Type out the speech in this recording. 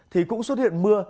thì cũng xuất hiện mưa